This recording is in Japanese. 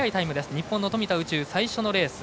日本の富田宇宙、最初のレース。